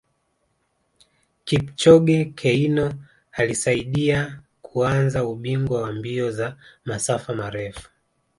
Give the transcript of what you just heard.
Kipchoge Keino alisaidia kuanza ubingwa wa mbio za masafa marefu